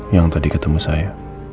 yang tadi ketemu saya